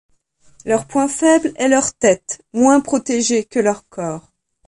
Leur point faible est leur tête, moins protégée que leur corps.